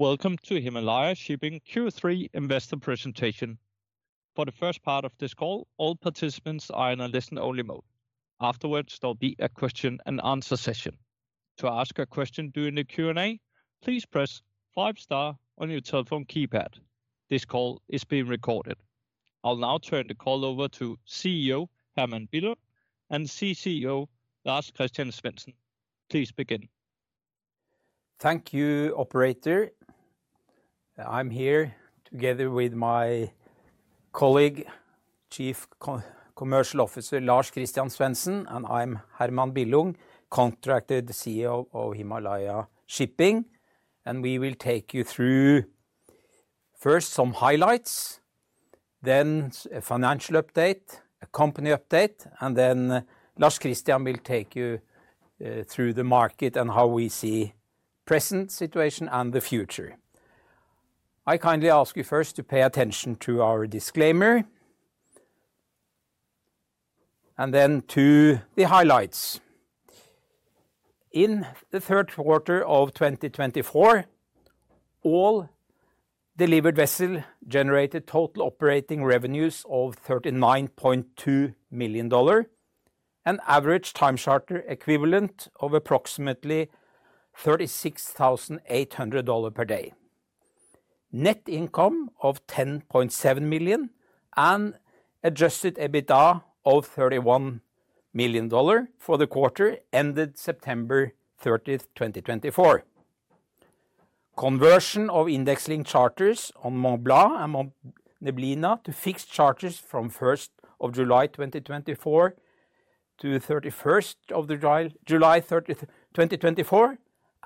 Welcome to Himalaya Shipping Q3 Investor Presentation. For the first part of this call, all participants are in a listen-only mode. Afterwards, there'll be a question-and-answer session. To ask a question during the Q&A, please press five-star on your telephone keypad. This call is being recorded. I'll now turn the call over to CEO Herman Billung and CCO Lars-Christian Svensen. Please begin. Thank you, Operator. I'm here together with my colleague, Chief Commercial Officer Lars-Christian Svensen, and I'm Herman Billung, Contracted CEO of Himalaya Shipping, and we will take you through first some highlights, then a financial update, a company update, and then Lars-Christian will take you through the market and how we see the present situation and the future. I kindly ask you first to pay attention to our disclaimer, and then to the highlights. In the third quarter of 2024, all delivered vessels generated total operating revenues of $39.2 million, an average Time Charter Equivalent of approximately $36,800 per day. Net income of $10.7 million and Adjusted EBITDA of $31 million for the quarter ended September 30th, 2024. Conversion of index linked charters on Mount Blanc and Mount Neblina to fixed charters from 1st July 2024 to 31 July 2024,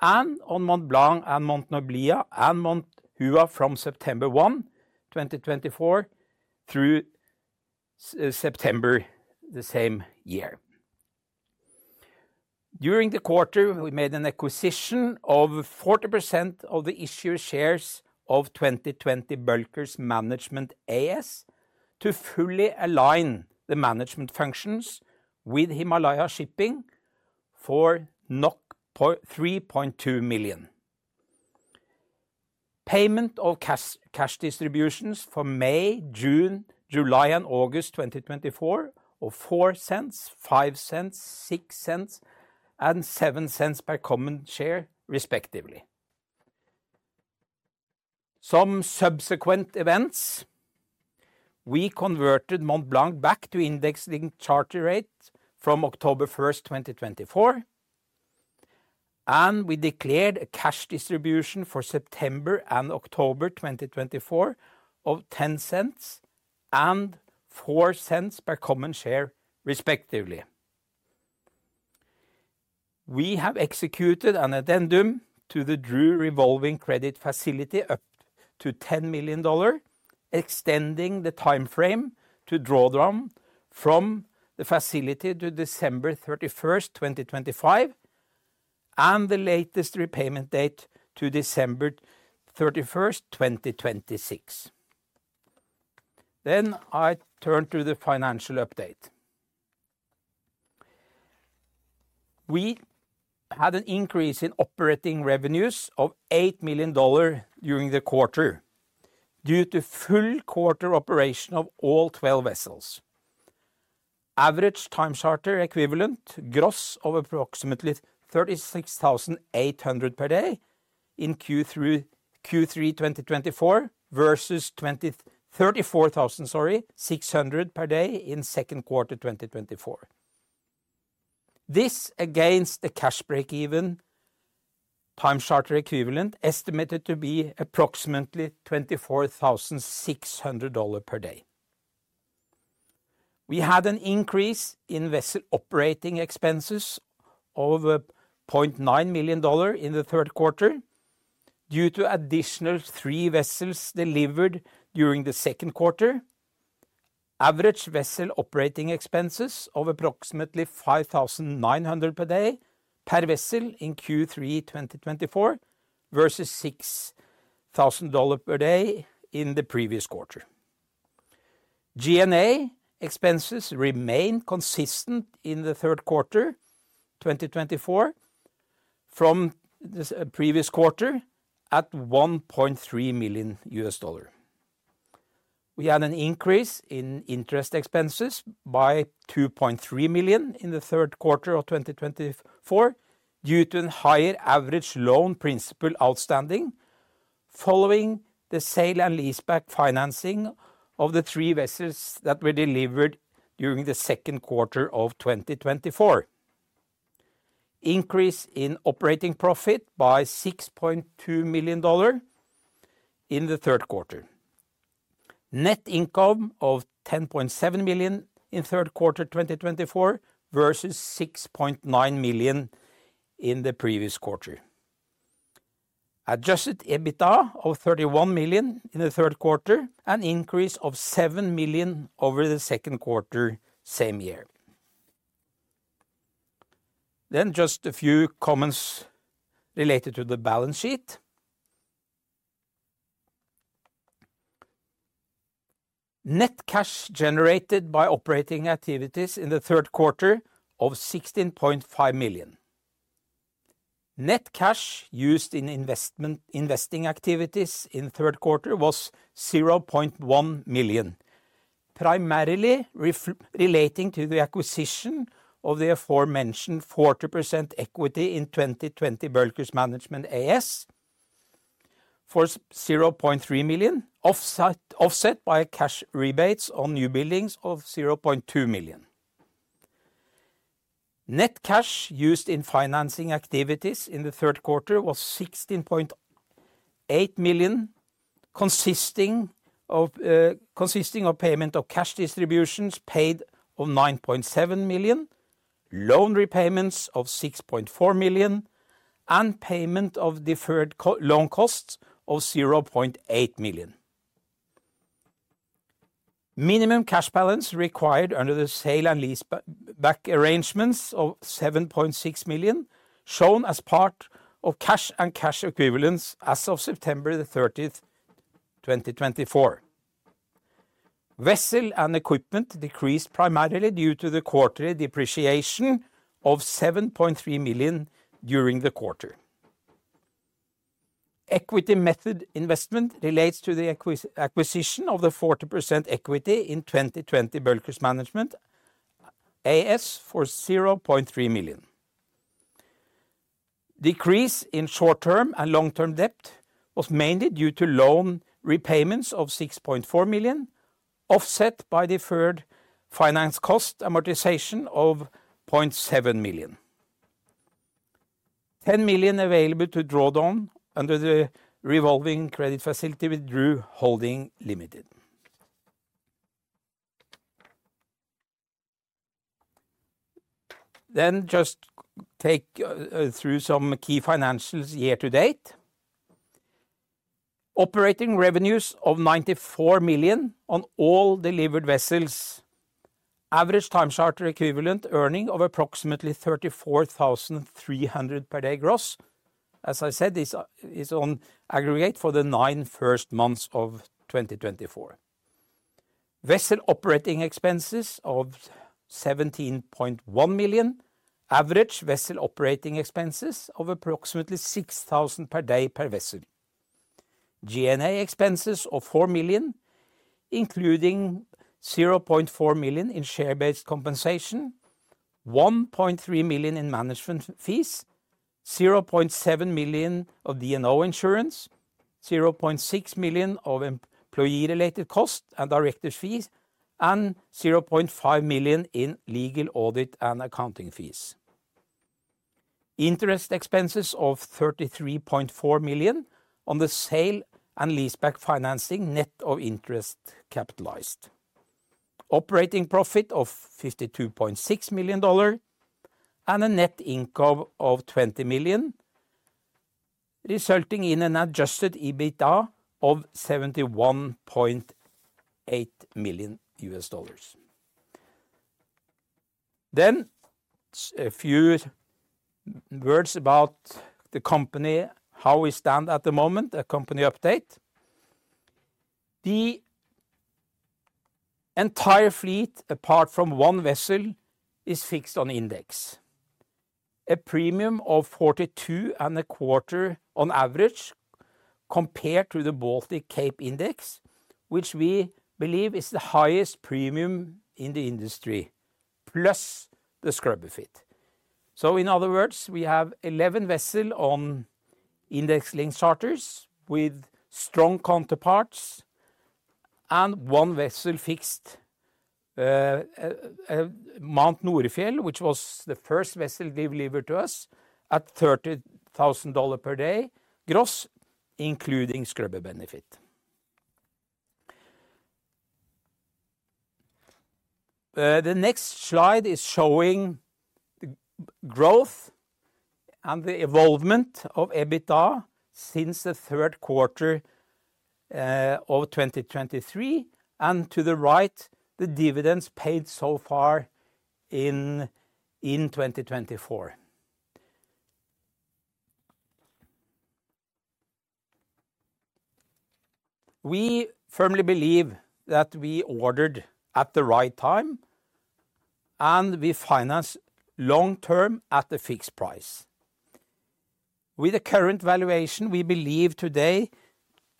and on Mount Blanc and Mount Neblina and Mount Hua from September 1, 2024 through September the same year. During the quarter, we made an acquisition of 40% of the issued shares of 2020 Bulkers Management AS to fully align the management functions with Himalaya Shipping for $3.2 million. Payment of cash distributions for May, June, July, and August 2024 of $0.04, $0.05, $0.06, and $0.07 per common share, respectively. Some subsequent events: we converted Mount Blanc back to index linked charter rate from October 1st, 2024, and we declared a cash distribution for September and October 2024 of $0.10 and $0.04 per common share, respectively. We have executed an addendum to the Drew Revolving Credit Facility up to $10 million, extending the timeframe to drawdown from the facility to December 31st, 2025, and the latest repayment date to December 31st, 2026. Then I turn to the financial update. We had an increase in operating revenues of $8 million during the quarter due to full quarter operation of all 12 vessels. Average Time Charter Equivalent gross of approximately $36,800 per day in Q3 2024 versus $34,600 per day in second quarter 2024. This against the cash break-even Time Charter Equivalent estimated to be approximately $24,600 per day. We had an increase in vessel operating expenses of $0.9 million in the third quarter due to additional three vessels delivered during the second quarter. Average vessel operating expenses of approximately $5,900 per day per vessel in Q3 2024 versus $6,000 per day in the previous quarter. G&A expenses remained consistent in the third quarter 2024 from the previous quarter at $1.3 million. We had an increase in interest expenses by $2.3 million in the third quarter of 2024 due to a higher average loan principal outstanding following the sale and leaseback financing of the three vessels that were delivered during the second quarter of 2024. Increase in operating profit by $6.2 million in the third quarter. Net income of $10.7 million in third quarter 2024 versus $6.9 million in the previous quarter. Adjusted EBITDA of $31 million in the third quarter, an increase of $7 million over the second quarter same year. Then just a few comments related to the balance sheet. Net cash generated by operating activities in the third quarter of $16.5 million. Net cash used in investing activities in third quarter was $0.1 million, primarily relating to the acquisition of the aforementioned 40% equity in 2020 Bulkers Management AS for $0.3 million, offset by cash rebates on new buildings of $0.2 million. Net cash used in financing activities in the third quarter was $16.8 million, consisting of payment of cash distributions paid of $9.7 million, loan repayments of $6.4 million, and payment of deferred loan costs of $0.8 million. Minimum cash balance required under the sale and leaseback arrangements of $7.6 million shown as part of cash and cash equivalents as of September 30th, 2024. Vessel and equipment decreased primarily due to the quarterly depreciation of $7.3 million during the quarter. Equity method investment relates to the acquisition of the 40% equity in 2020 Bulkers Management AS for $0.3 million. Decrease in short-term and long-term debt was mainly due to loan repayments of $6.4 million, offset by deferred finance cost amortization of $0.7 million. $10 million available to drawdown under the revolving credit facility with Drew Holdings Limited. Then just take through some key financials year to date. Operating revenues of $94 million on all delivered vessels. Average time charter equivalent earning of approximately $34,300 per day gross, as I said, is on aggregate for the first nine months of 2024. Vessel operating expenses of $17.1 million, average vessel operating expenses of approximately $6,000 per day per vessel. G&A expenses of $4 million, including $0.4 million in share-based compensation, $1.3 million in management fees, $0.7 million of D&O insurance, $0.6 million of employee-related costs and director's fees, and $0.5 million in legal audit and accounting fees. Interest expenses of $33.4 million on the sale and leaseback financing net of interest capitalized. Operating profit of $52.6 million and a net income of $20 million, resulting in an adjusted EBITDA of $71.8 million. Then a few words about the company, how we stand at the moment, a company update. The entire fleet, apart from one vessel, is fixed on index. A premium of $42.25 on average compared to the Baltic Cape Index, which we believe is the highest premium in the industry, plus the scrubber fit. So in other words, we have 11 vessels on index linked charters with strong counterparts and one vessel fixed, Mount Norefjell, which was the first vessel they delivered to us at $30,000 per day gross, including scrubber benefit. The next slide is showing the growth and the evolvement of EBITDA since the third quarter of 2023, and to the right, the dividends paid so far in 2024. We firmly believe that we ordered at the right time, and we finance long-term at the fixed price. With the current valuation, we believe today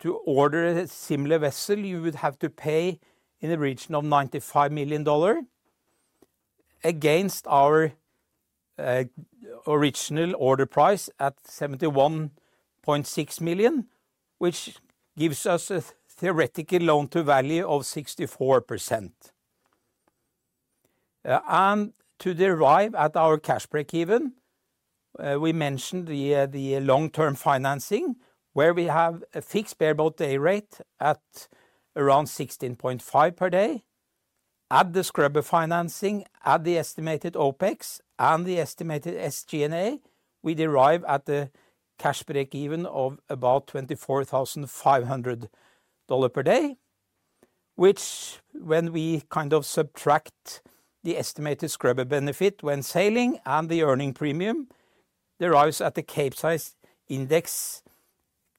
to order a similar vessel, you would have to pay in the region of $95 million against our original order price at $71.6 million, which gives us a theoretical loan-to-value of 64%, and to derive at our cash break-even, we mentioned the long-term financing, where we have a fixed bareboat day rate at around $16.5 per day. At the scrubber financing, at the estimated OPEX and the estimated SG&A, we derive at the cash break-even of about $24,500 per day, which when we kind of subtract the estimated scrubber benefit when sailing and the earning premium, derives at the cape size index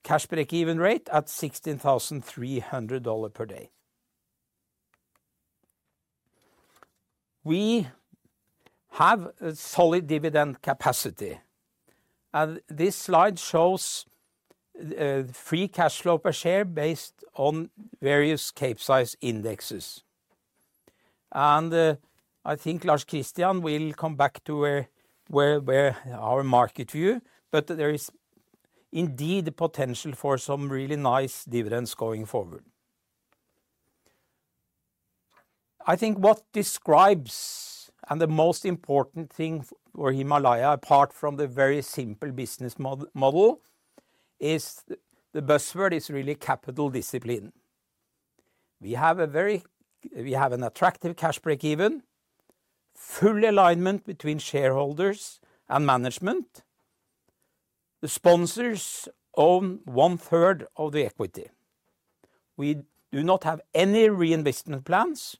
cash break-even rate at $16,300 per day. We have a solid dividend capacity. This slide shows free cash flow per share based on various cape size indexes, and I think Lars-Christian will come back to our market view, but there is indeed a potential for some really nice dividends going forward. I think what describes and the most important thing for Himalaya, apart from the very simple business model, is the buzzword is really capital discipline. We have an attractive cash break-even, full alignment between shareholders and management. The sponsors own one third of the equity. We do not have any reinvestment plans,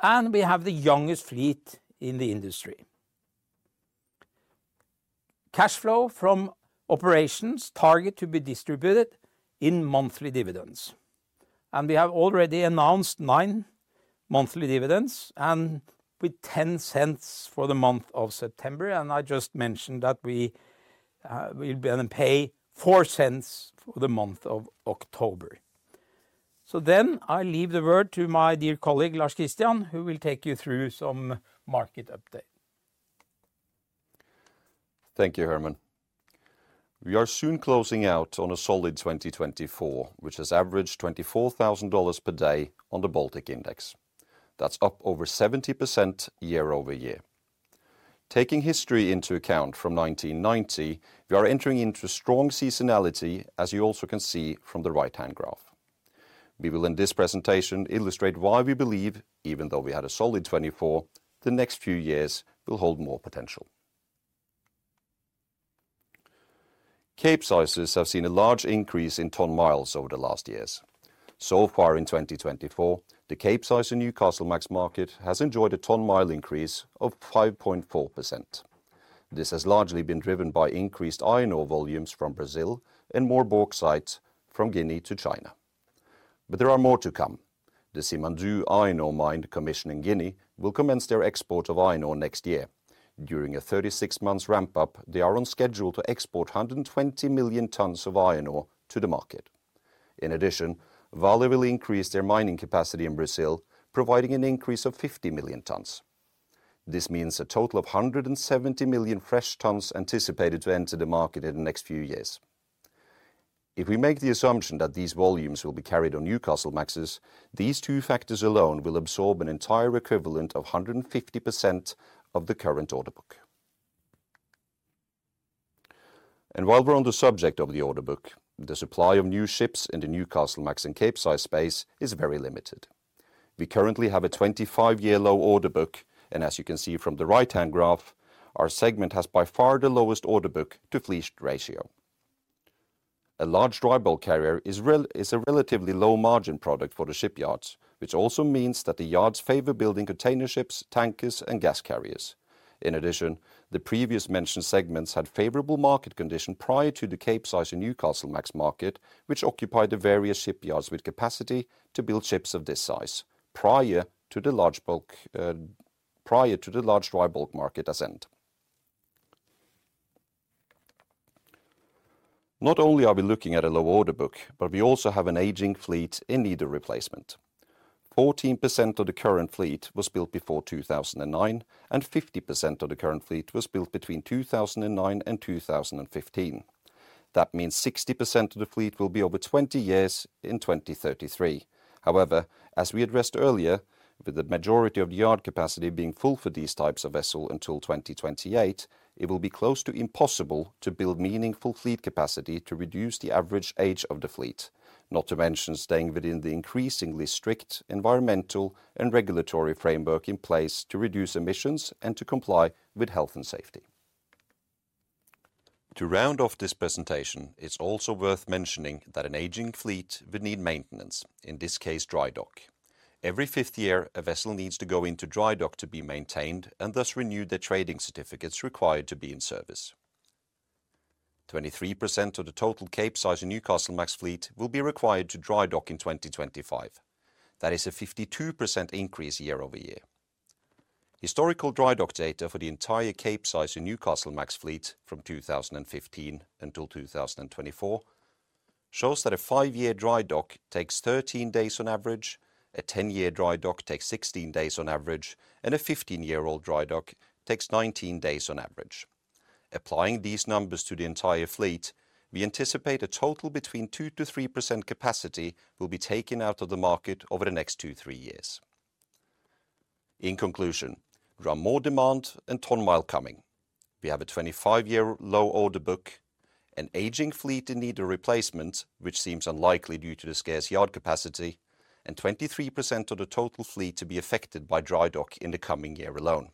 and we have the youngest fleet in the industry. Cash flow from operations target to be distributed in monthly dividends, and we have already announced nine monthly dividends and with $0.10 for the month of September, and I just mentioned that we will pay $0.04 for the month of October, so then I leave the word to my dear colleague Lars-Christian, who will take you through some market update. Thank you, Herman. We are soon closing out on a solid 2024, which has averaged $24,000 per day on the Baltic Index. That's up over 70% year over year. Taking history into account from 1990, we are entering into strong seasonality, as you also can see from the right-hand graph. We will in this presentation illustrate why we believe, even though we had a solid 24, the next few years will hold more potential. Capesize vessels have seen a large increase in ton-miles over the last years. So far in 2024, the Capesize Newcastlemax market has enjoyed a ton-mile increase of 5.4%. This has largely been driven by increased iron ore volumes from Brazil and more bauxite from Guinea to China, but there are more to come. The Simandou iron ore mine, commissioned in Guinea, will commence their export of iron ore next year. During a 36-month ramp-up, they are on schedule to export 120 million tons of iron ore to the market. In addition, Vale will increase their mining capacity in Brazil, providing an increase of 50 million tons. This means a total of 170 million fresh tons anticipated to enter the market in the next few years. If we make the assumption that these volumes will be carried on Newcastlemaxes, these two factors alone will absorb an entire equivalent of 150% of the current order book, and while we're on the subject of the order book, the supply of new ships in the Newcastlemax and Capesize space is very limited. We currently have a 25-year low order book, and as you can see from the right-hand graph, our segment has by far the lowest order book to fleet ratio. A large dry bulk carrier is a relatively low margin product for the shipyards, which also means that the yards favor building container ships, tankers, and gas carriers. In addition, the previously mentioned segments had favorable market conditions prior to the Capesize in Newcastlemax market, which occupied the various shipyards with capacity to build ships of this size prior to the large dry bulk market's end. Not only are we looking at a low order book, but we also have an aging fleet in need of replacement. 14% of the current fleet was built before 2009, and 50% of the current fleet was built between 2009 and 2015. That means 60% of the fleet will be over 20 years in 2033. However, as we addressed earlier, with the majority of the yard capacity being full for these types of vessels until 2028, it will be close to impossible to build meaningful fleet capacity to reduce the average age of the fleet, not to mention staying within the increasingly strict environmental and regulatory framework in place to reduce emissions and to comply with health and safety. To round off this presentation, it's also worth mentioning that an aging fleet would need maintenance, in this case, dry dock. Every fifth year, a vessel needs to go into dry dock to be maintained and thus renew their trading certificates required to be in service. 23% of the total Capesize Newcastlemax fleet will be required to dry dock in 2025. That is a 52% increase year over year. Historical dry dock data for the entire Capesize Newcastlemax fleet from 2015 until 2024 shows that a five-year dry dock takes 13 days on average, a 10-year dry dock takes 16 days on average, and a 15-year-old dry dock takes 19 days on average. Applying these numbers to the entire fleet, we anticipate a total between 2%-3% capacity will be taken out of the market over the next two, three years. In conclusion, there are more demand and ton-mile coming. We have a 25-year low order book, an aging fleet in need of replacement, which seems unlikely due to the scarce yard capacity, and 23% of the total fleet to be affected by dry dock in the coming year alone.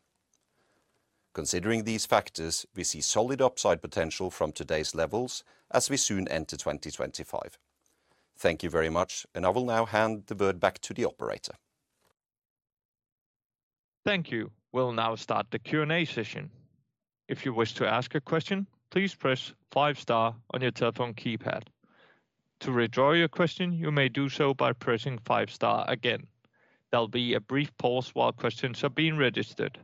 Considering these factors, we see solid upside potential from today's levels as we soon enter 2025. Thank you very much, and I will now hand the word back to the operator. Thank you. We'll now start the Q&A session. If you wish to ask a question, please press five star on your telephone keypad. To withdraw your question, you may do so by pressing five star again. There'll be a brief pause while questions are being registered.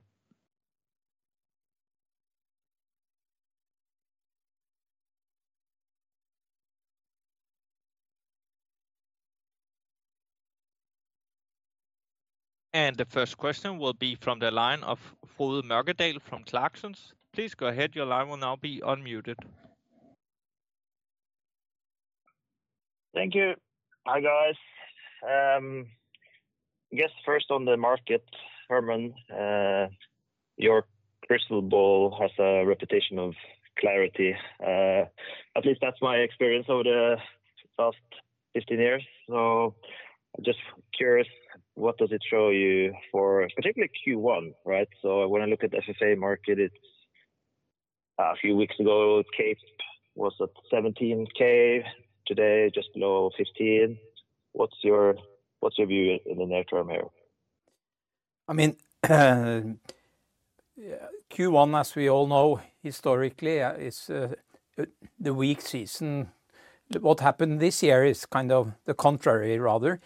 And the first question will be from the line of Frode Mørkedal from Clarksons. Please go ahead. Your line will now be unmuted. Thank you. Hi, guys. I guess first on the market, Herman, your crystal ball has a reputation of clarity. At least that's my experience over the last 15 years. So I'm just curious, what does it show you for particularly Q1, right? So when I look at the FFA market, it's a few weeks ago, cape was at $17K, today just below $15K. What's your view in the near term here? I mean, Q1, as we all know historically, is the weak season. What happened this year is kind of the contrary, rather.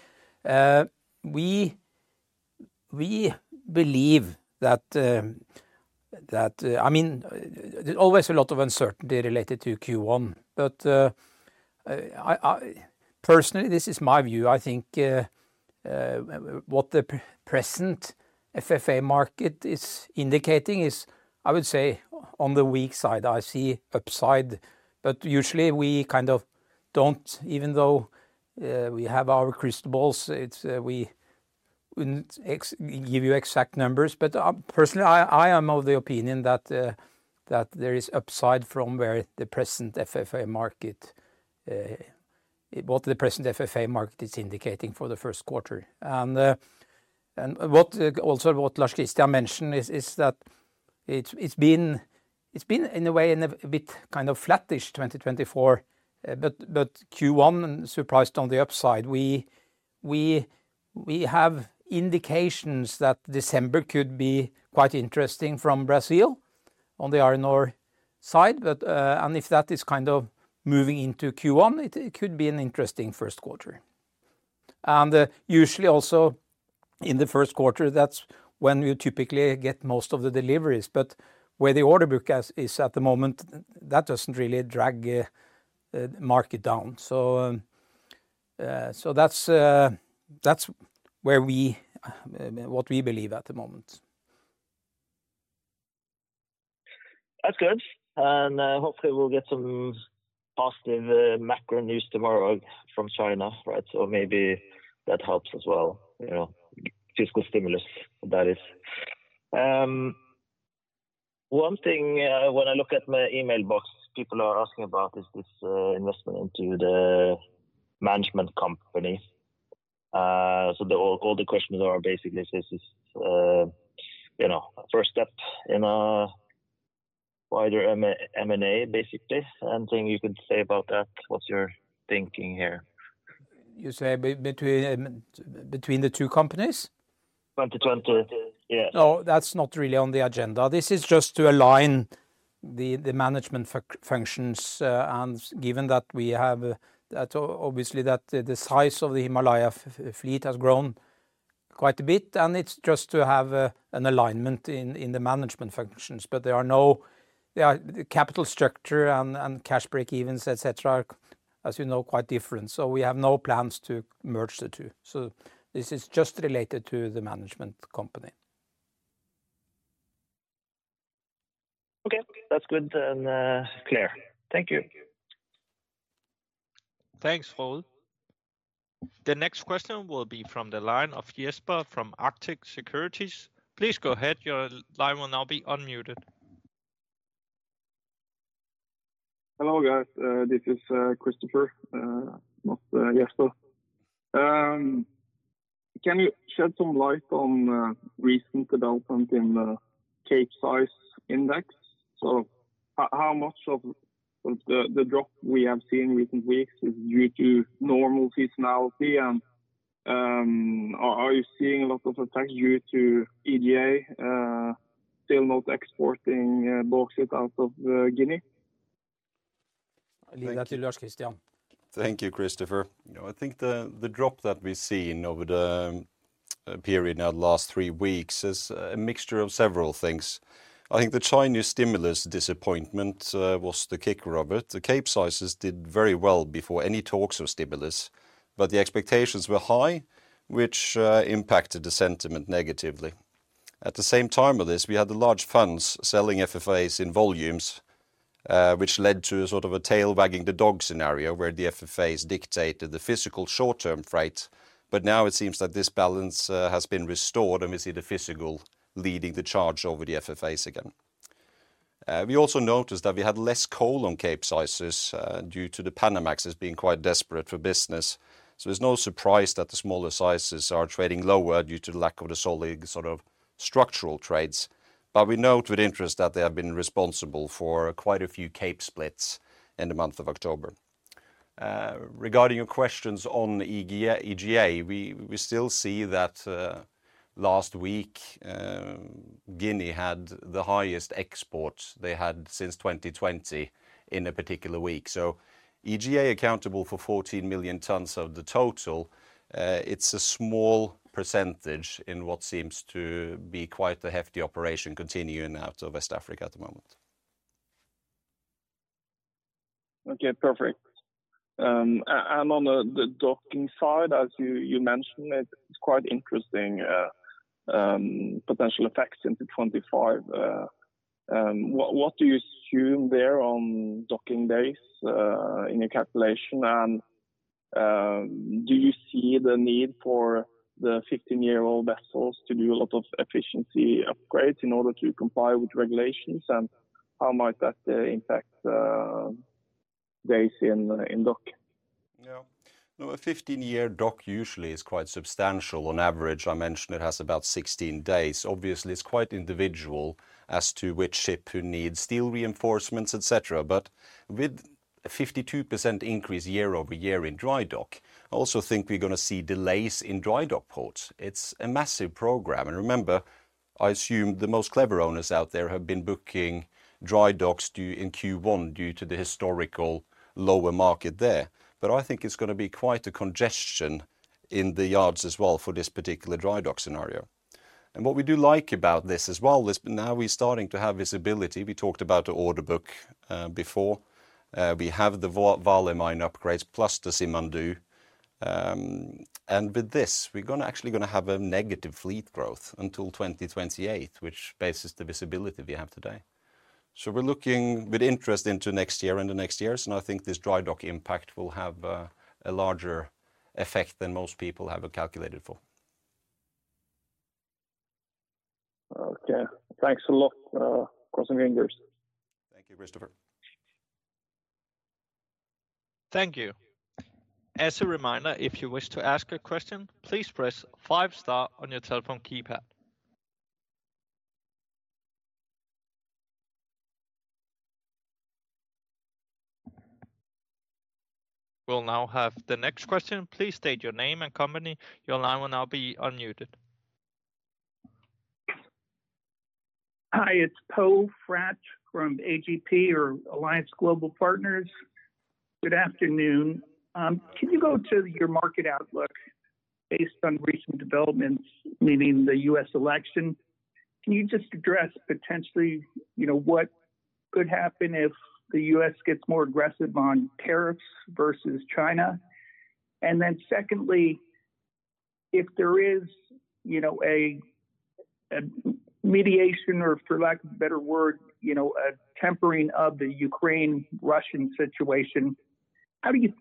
We believe that, I mean, there's always a lot of uncertainty related to Q1, but personally, this is my view. I think what the present FFA market is indicating is, I would say, on the weak side, I see upside, but usually we kind of don't, even though we have our crystal balls, we wouldn't give you exact numbers. But personally, I am of the opinion that there is upside from what the present FFA market is indicating for the first quarter. And what also Lars-Christian mentioned is that it's been in a way in a bit kind of flattish 2024, but Q1 surprised on the upside. We have indications that December could be quite interesting from Brazil on the iron ore side, but if that is kind of moving into Q1, it could be an interesting first quarter. And usually also in the first quarter, that's when we typically get most of the deliveries, but where the order book is at the moment, that doesn't really drag the market down. So that's what we believe at the moment. That's good. And hopefully we'll get some positive macro news tomorrow from China, right? So maybe that helps as well, you know, fiscal stimulus that is. One thing when I look at my email box, people are asking about is this investment into the management company. So all the questions are basically, you know, first step in a wider M&A basically. Anything you could say about that? What's your thinking here? You say between the two companies? 2020, yeah. No, that's not really on the agenda. This is just to align the management functions. And given that we have, that obviously that the size of the Himalaya fleet has grown quite a bit, and it's just to have an alignment in the management functions. But there are no, the capital structure and cash break-evens, etc., as you know, quite different. So we have no plans to merge the two. So this is just related to the management company. Okay, that's good and clear. Thank you. Thanks, Frode. The next question will be from the line of Jesper from Arctic Securities. Please go ahead. Your line will now be unmuted. Hello guys, this is Christopher, not Jesper. Can you shed some light on recent development in the Capesize index? How much of the drop we have seen in recent weeks is due to normal seasonality? And are you seeing a lot of effects due to EGA still not exporting bauxite out of Guinea? I'll leave that to Lars-Christian. Thank you, Christopher. You know, I think the drop that we've seen over the period now, the last three weeks, is a mixture of several things. I think the Chinese stimulus disappointment was the kicker of it. The Capesize did very well before any talks of stimulus, but the expectations were high, which impacted the sentiment negatively. At the same time of this, we had the large funds selling FFAs in volumes, which led to a sort of a tail wagging the dog scenario where the FFAs dictated the physical short-term freight. But now it seems that this balance has been restored and we see the physical leading the charge over the FFAs again. We also noticed that we had less coal on Capesize due to the Panamax has been quite desperate for business. So it's no surprise that the smaller sizes are trading lower due to the lack of the solid sort of structural trades. But we note with interest that they have been responsible for quite a few Capesize splits in the month of October. Regarding your questions on EGA, we still see that last week Guinea had the highest exports they had since 2020 in a particular week. So EGA accountable for 14 million tons of the total, it's a small percentage in what seems to be quite a hefty operation continuing out of West Africa at the moment. Okay, perfect. On the dry docking side, as you mentioned, it's quite interesting potential effects into 2025. What do you assume there on dry docking days in your calculation? And do you see the need for the 15-year-old vessels to do a lot of efficiency upgrades in order to comply with regulations? And how might that impact days in dry dock? Yeah, a 15-year dry dock usually is quite substantial. On average, I mentioned it has about 16 days. Obviously, it's quite individual as to which ship who needs steel reinforcements, etc. But with a 52% increase year over year in dry dock, I also think we're going to see delays in dry dock ports. It's a massive program. Remember, I assume the most clever owners out there have been booking dry docks in Q1 due to the historical lower market there. I think it's going to be quite a congestion in the yards as well for this particular dry dock scenario. And what we do like about this as well is now we're starting to have visibility. We talked about the order book before. We have the Vale mine upgrades plus the Simandou. And with this, we're going to actually have a negative fleet growth until 2028, which bases the visibility we have today. So we're looking with interest into next year and the next years. And I think this dry dock impact will have a larger effect than most people have calculated for. Okay, thanks a lot, Crossing Fingers. Thank you, Christopher. Thank you. As a reminder, if you wish to ask a question, please press five star on your telephone keypad. We'll now have the next question. Please state your name and company. Your line will now be unmuted. Hi, it's Poe Fratt from AGP or Alliance Global Partners. Good afternoon. Can you go to your market outlook based on recent developments, meaning the U.S. election? Can you just address potentially what could happen if the U.S. gets more aggressive on tariffs versus China? And then secondly, if there is a mediation or, for lack of a better word, a tempering of the Ukraine-Russian situation, how do you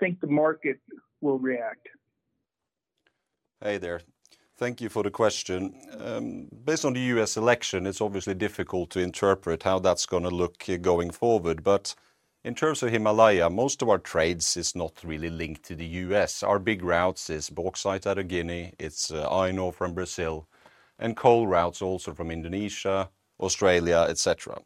think the market will react? Hey there. Thank you for the question. Based on the U.S. election, it's obviously difficult to interpret how that's going to look going forward. But in terms of Himalaya, most of our trades is not really linked to the U.S. Our big routes is bauxite out of Guinea, it's iron ore from Brazil, and coal routes also from Indonesia, Australia, etc.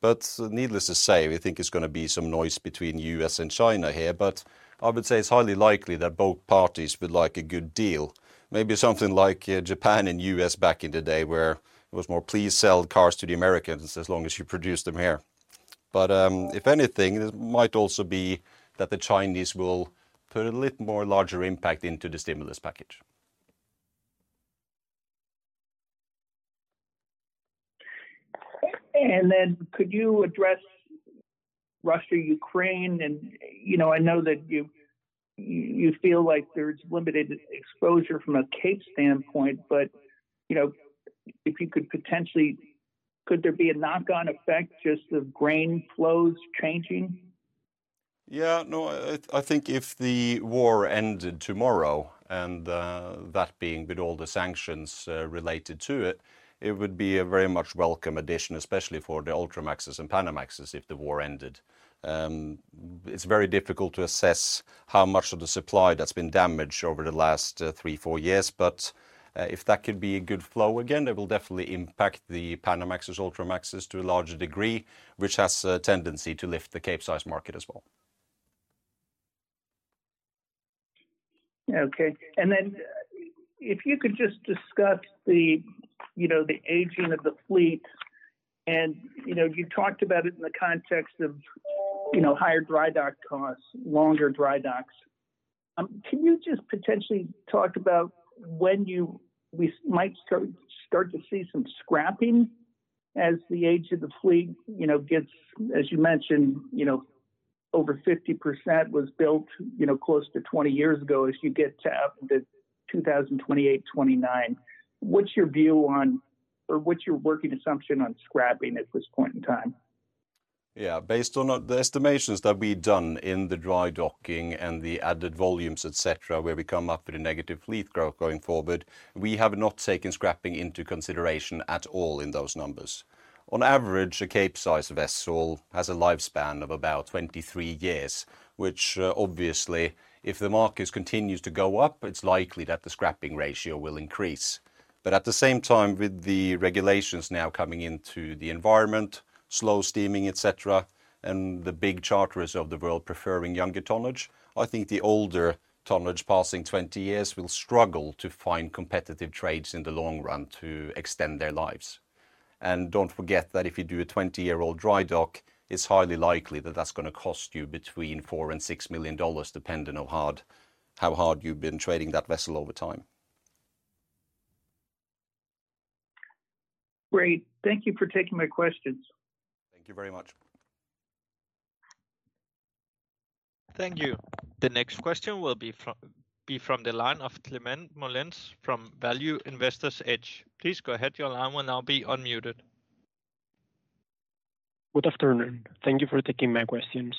But needless to say, we think there's going to be some noise between the U.S. and China here. But I would say it's highly likely that both parties would like a good deal. Maybe something like Japan and the U.S. back in the day where it was more, please sell cars to the Americans as long as you produce them here. But if anything, it might also be that the Chinese will put a little more larger impact into the stimulus package. And then could you address Russia, Ukraine? And you know, I know that you feel like there's limited exposure from a cape standpoint, but you know, if you could potentially, could there be a knock-on effect just of grain flows changing? Yeah, no, I think if the war ended tomorrow, and that being with all the sanctions related to it, it would be a very much welcome addition, especially for the Ultramaxes and Panamaxes if the war ended. It's very difficult to assess how much of the supply that's been damaged over the last three, four years. But if that could be a good flow again, it will definitely impact the Panamaxes, Ultramaxes to a larger degree, which has a tendency to lift the Capesize market as well. Okay, and then if you could just discuss the, you know, the aging of the fleet, and you know, you talked about it in the context of, you know, higher dry dock costs, longer dry docks. Can you just potentially talk about when you might start to see some scrapping as the age of the fleet, you know, gets, as you mentioned, you know, over 50% was built, you know, close to 20 years ago as you get to 2028, 2029. What's your view on, or what's your working assumption on scrapping at this point in time? Yeah, based on the estimations that we've done in the dry docking and the added volumes, etc., where we come up with a negative fleet growth going forward, we have not taken scrapping into consideration at all in those numbers. On average, a Capesize vessel has a lifespan of about 23 years, which obviously, if the market continues to go up, it's likely that the scrapping ratio will increase. But at the same time, with the regulations now coming into the environment, slow steaming, etc., and the big charterers of the world preferring younger tonnage, I think the older tonnage passing 20 years will struggle to find competitive trades in the long run to extend their lives. And don't forget that if you do a 20-year-old dry dock, it's highly likely that that's going to cost you between $4 million and $6 million, depending on how hard you've been trading that vessel over time. Great. Thank you for taking my questions. Thank you very much. Thank you. The next question will be from the line of Climent Molins from Value Investor's Edge. Please go ahead, your line will now be unmuted. Good afternoon. Thank you for taking my questions.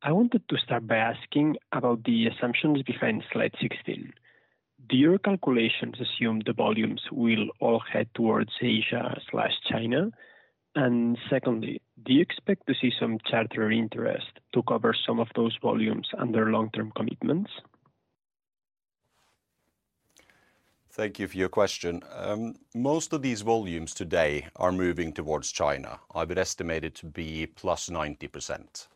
I wanted to start by asking about the assumptions behind slide 16. Do your calculations assume the volumes will all head towards Asia/China? And secondly, do you expect to see some charter interest to cover some of those volumes under long-term commitments? Thank you for your question. Most of these volumes today are moving towards China. I would estimate it to be plus 90%.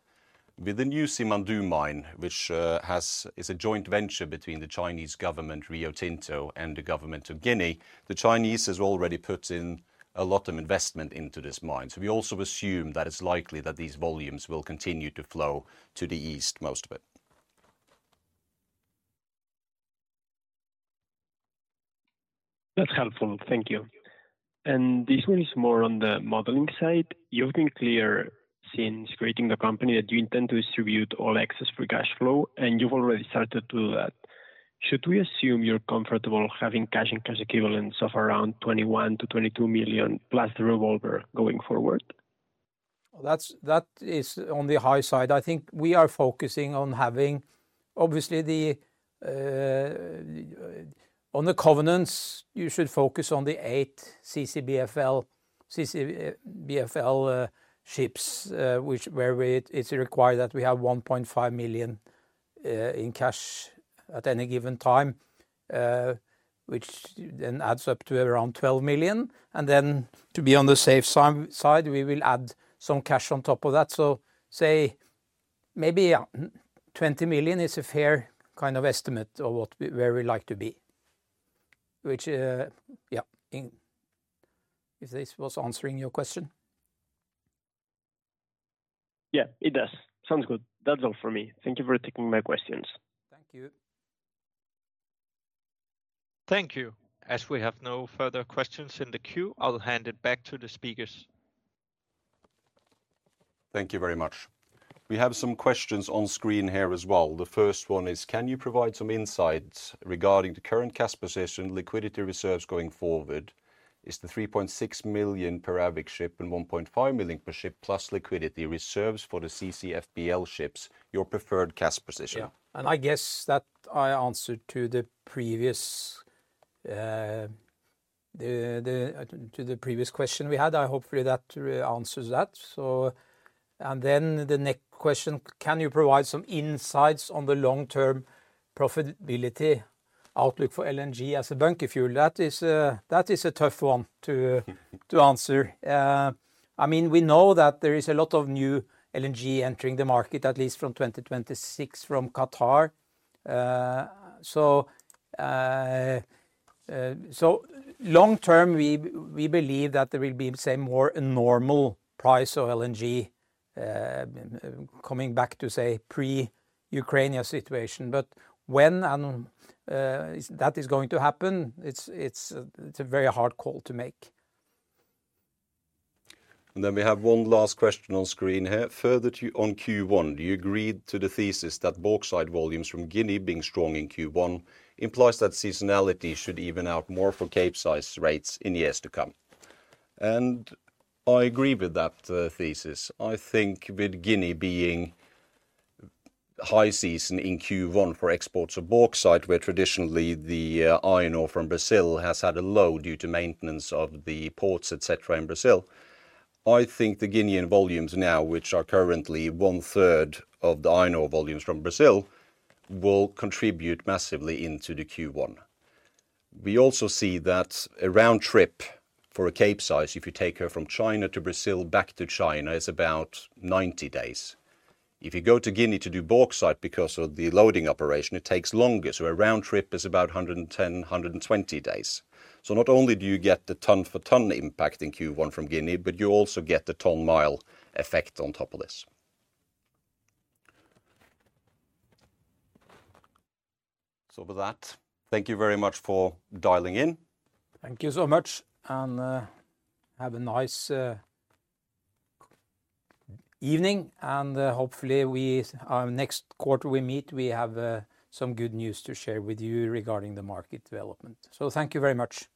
With the new Simandou mine, which is a joint venture between the Chinese government, Rio Tinto, and the government of Guinea, the Chinese have already put in a lot of investment into this mine. So we also assume that it's likely that these volumes will continue to flow to the east, most of it. That's helpful. Thank you. And this one is more on the modeling side. You've been clear since creating the company that you intend to distribute all excess free cash flow, and you've already started to do that. Should we assume you're comfortable having cash and cash equivalents of around $21-$22 million plus the revolver going forward? That is on the high side. I think we are focusing on having, obviously, on the covenants, you should focus on the eight CCBFL ships, where it's required that we have $1.5 million in cash at any given time, which then adds up to around $12 million. And then to be on the safe side, we will add some cash on top of that. So say maybe $20 million is a fair kind of estimate of where we'd like to be. Which, yeah, if this was answering your question. Yeah, it does. Sounds good. That's all for me. Thank you for taking my questions. Thank you. Thank you. As we have no further questions in the queue, I'll hand it back to the speakers. Thank you very much. We have some questions on screen here as well. The first one is, can you provide some insights regarding the current cash position, liquidity reserves going forward? Is the $3.6 million per AVIC ship and $1.5 million per ship plus liquidity reserves for the CCBFL ships your preferred cash position? Yeah, and I guess that I answered to the previous question we had. I hopefully that answers that. And then the next question, can you provide some insights on the long-term profitability outlook for LNG as a bunker fuel? That is a tough one to answer. I mean, we know that there is a lot of new LNG entering the market, at least from 2026 from Qatar. So long term, we believe that there will be more a normal price of LNG coming back to, say, pre-Ukraine situation. But when that is going to happen, it's a very hard call to make. And then we have one last question on screen here. Further on Q1, do you agree to the thesis that bauxite volumes from Guinea being strong in Q1 implies that seasonality should even out more for Capesize rates in years to come? And I agree with that thesis. I think with Guinea being high season in Q1 for exports of bauxite, where traditionally the iron ore from Brazil has had a low due to maintenance of the ports, etc. in Brazil, I think the Guinean volumes now, which are currently one third of the iron ore volumes from Brazil, will contribute massively into the Q1. We also see that a round trip for a Capesize, if you take her from China to Brazil, back to China, is about 90 days. If you go to Guinea to do bauxite because of the loading operation, it takes longer, so a round trip is about 110-120 days, so not only do you get the ton for ton impact in Q1 from Guinea, but you also get the ton-mile effect on top of this, so with that, thank you very much for dialing in. Thank you so much, and have a nice evening, and hopefully next quarter we meet, we have some good news to share with you regarding the market development, so thank you very much.